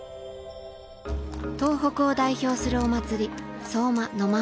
東北を代表するお祭り